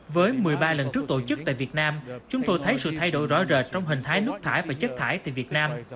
với một mươi ba lần trước tổ chức tại việt nam chúng tôi thấy sự thay đổi rõ rệt trong hình thái nước thải và chất thải tại việt nam